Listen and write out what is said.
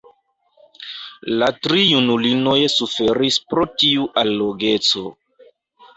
La tri junulinoj suferis pro tiu allogeco.